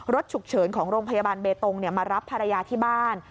รถฉุกเฉินของโรงพยาบาลเบตงมารับภรรยาที่บ้าน